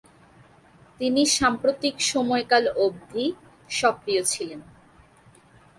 তিনি সাম্প্রতিক সময়কাল অবধি সক্রিয় ছিলেন।